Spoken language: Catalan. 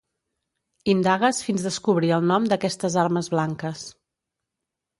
Indagues fins descobrir el nom d'aquestes armes blanques.